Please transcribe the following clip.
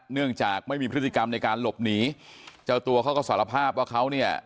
เนื่องจากไม่มีพฤติกรรมในการหลบหนีเจ้าตัวเขาก็สารภาพว่าเขาเนี่ย